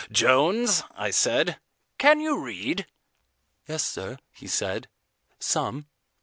"Jones," I said, "can you read?" "Yes, sir," he said, "some."